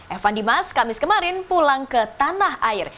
evan dimas kamis kemarin pulang ke tanah air